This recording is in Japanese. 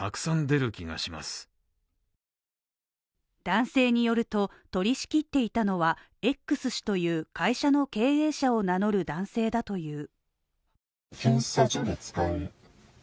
男性によると、取り仕切っていたのはＸ氏という会社の経営者を名乗る男性だという。